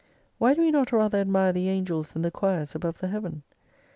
Why do we not rather admire the Angels and the Quires above the Heaven